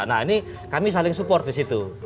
nah ini kami saling support di situ